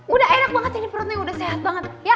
udah enak banget ini perutnya udah sehat banget ya